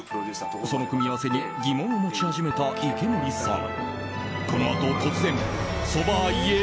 その組み合わせに疑問を持ち始めた池森さん。